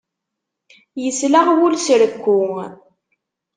Yesleɣ wul s rekku.